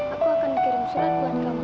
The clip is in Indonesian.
aku akan kirim surat buat kamu